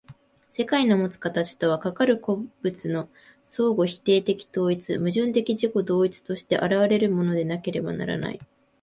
世界のもつ形とは、かかる個物の相互否定的統一、矛盾的自己同一として現れるものでなければならない。